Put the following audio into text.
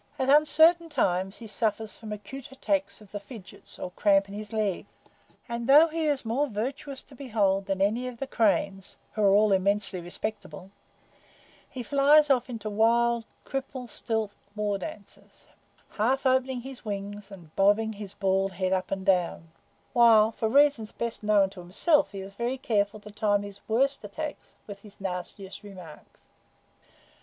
At uncertain times he suffers from acute attacks of the fidgets or cramp in his legs, and though he is more virtuous to behold than any of the cranes, who are all immensely respectable, he flies off into wild, cripple stilt war dances, half opening his wings and bobbing his bald head up and down; while for reasons best known to himself he is very careful to time his worst attacks with his nastiest remarks.